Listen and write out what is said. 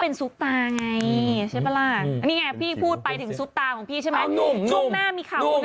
นั่นไงพี่พูดไปถึงซุปตาของพี่ใช่มั้ยนุ่ม